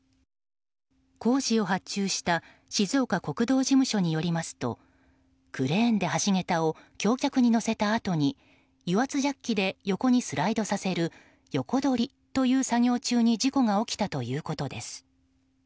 工事を発注した静岡国道事務所によりますとクレーンで橋桁を橋脚に載せたあとに油圧ジャッキで横にスライドさせる横取りという作業中に事故が起きたということです。